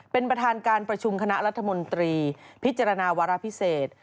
เป็นประธานการประชุมคณะรัฐมนตรีพิจารณาวาระพิเศษ